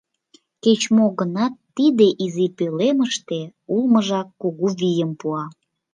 Кеч-мо гынат, тиде изи пӧлемыште улмыжак кугу вийым пуа.